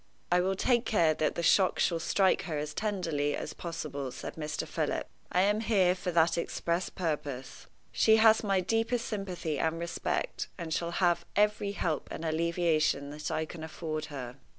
"I will take care that the shock shall strike her as tenderly as possible," said Mr. Philip. "I am here for that express purpose. She has my deepest sympathy and respect, and shall have every help and alleviation that I can afford her."